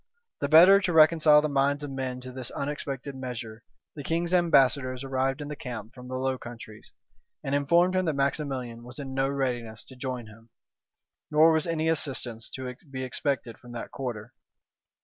The better to reconcile the minds of men to this unexpected measure, the king's ambassadors arrived in the camp from the Low Countries, and informed him, that Maximilian was in no readiness to join him; nor was any assistance to be expected from that quarter.